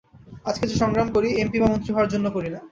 আজকে যে সংগ্রাম করি, এমপি বা মন্ত্রী হওয়ার জন্য করি না।